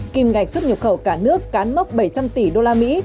kìm ngạch xuất nhập khẩu cả nước cán mốc bảy trăm linh tỷ usd